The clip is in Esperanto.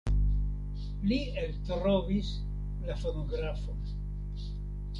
Li eltrovis la fonografon.